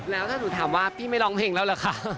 แล้วถ้าหนูถามว่าพี่ไม่ร้องเพลงแล้วเหรอคะ